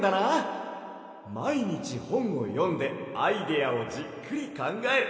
まいにちほんをよんでアイデアをじっくりかんがえる。